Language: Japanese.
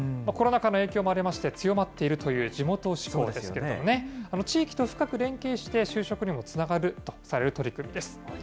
コロナ禍の影響もありまして、強まっているという地元志向ですけれどもね、地域と深く連携して、就職にもつながるとされる取り組みです。